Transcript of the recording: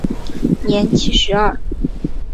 年七十二。